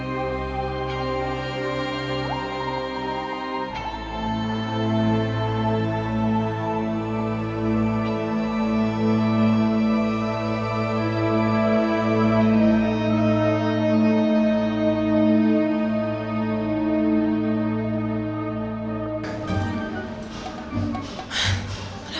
ini ada lebih dariku